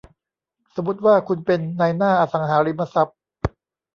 สมมุติว่าคุณเป็นนายหน้าอสังหาริมทรัพย์